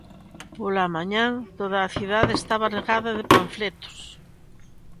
Pola mañá, toda a cidade estaba regada de panfletos.